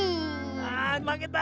あまけた。